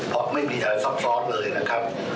เพราะไม่มีอะไรซ้อมซ้อมเลยนะครับ